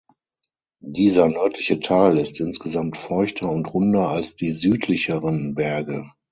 Dieser nördliche Teil ist insgesamt feuchter und runder als die südlicheren Berge.